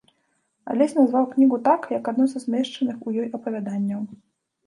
Алесь назваў кнігу так, як адно са змешчаных у ёй апавяданняў.